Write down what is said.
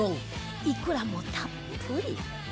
イクラもたっぷり